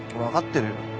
分かってるよ。